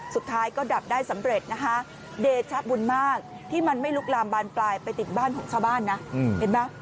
สุดท้ายก็ดับได้สำเร็จนะคะเดชะบุญมากที่มันไม่ลุกลามบานปลายไปติดบ้านของชาวบ้านนะเห็นไหม